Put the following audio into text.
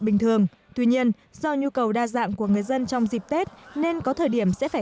bình thường tuy nhiên do nhu cầu đa dạng của người dân trong dịp tết nên có thời điểm sẽ phải